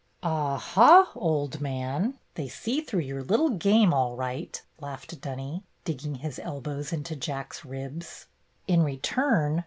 "Aha, old man, they see through your little game all right!" laughed Dunny, digging his elbows into Jack's ribs. In return.